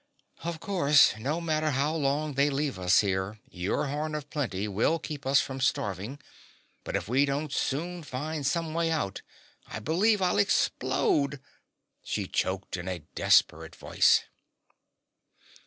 "Of course, no matter how long they leave us here, your horn of plenty will keep us from starving, but if we don't soon find some way out, I believe I'll explode!" she choked in a desperate voice.